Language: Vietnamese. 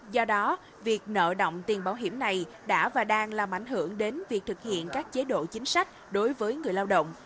do đó việc nợ động tiền bảo hiểm này đã và đang làm ảnh hưởng đến việc thực hiện các chế độ chính sách đối với người lao động